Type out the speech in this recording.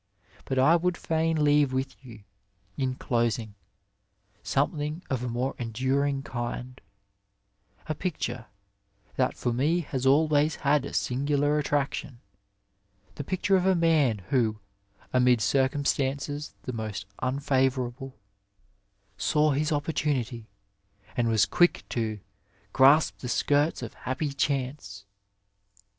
But I would fain leave with you, in closing, something of a more enduring kind — a picture that for me has always had a singular attraction, the picture of a man who, amid circumstances the most unfavourable, saw his opportunity and was quick to " grasp the skirts of happy chance."